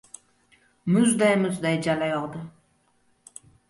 Muzday-muzday jala yog‘di.